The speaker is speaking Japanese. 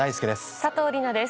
佐藤梨那です。